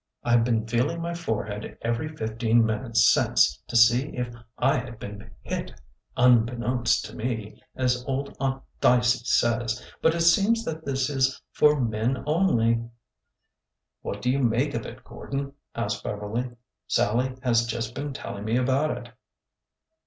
I Ve been feeling my forehead every fifteen minutes since, to see if I had been hit ' unbeknownst ' to me, as old Aunt Dicey says. But it seems that this is ' for men only.' " "What do you make of it, Gordon?" asked Beverly. " Sallie has just been telling me about it."